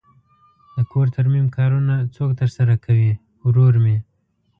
د کور ترمیم کارونه څوک ترسره کوی؟ ورور می